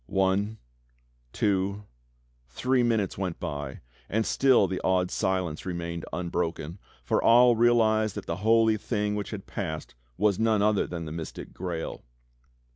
One, two, three minutes went by, and still the awed silence remained unbroken, for all realized that the Holy Thing which had THE COMING OF GALAHAD 115 passed was none other than the mystic Grail.